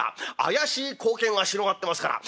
怪しい光景が広がってますから。